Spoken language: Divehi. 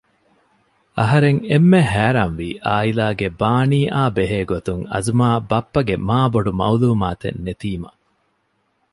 އަހަރެން އެންމެ ހައިރާންވީ އާއިލާގެ ބާނީއާ ބެހޭ ގޮތުން އަޒުމާ ބައްޕަގެ މާބޮޑު މައުލޫމާތެއް ނެތީމަ